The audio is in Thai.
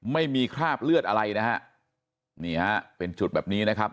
ไม่มีคราบเลือดอะไรนะฮะนี่ฮะเป็นจุดแบบนี้นะครับ